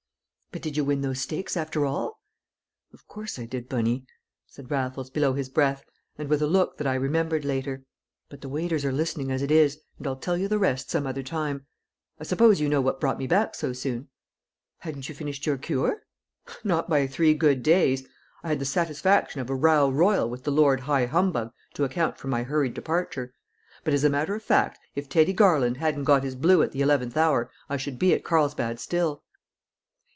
"But did you win those stakes after all?" "Of course I did, Bunny," said Raffles below his breath, and with a look that I remembered later. "But the waiters are listening as it is, and I'll tell you the rest some other time. I suppose you know what brought me back so soon?" "Hadn't you finished your cure?" "Not by three good days. I had the satisfaction of a row royal with the Lord High Humbug to account for my hurried departure. But, as a matter of fact, if Teddy Garland hadn't got his Blue at the eleventh hour I should be at Carlsbad still."